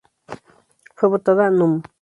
Fue votada núm.